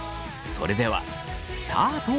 それではスタート。